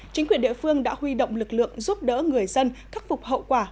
chính quyền địa phương đã huy động lực lượng giúp đỡ người dân khắc phục hậu quả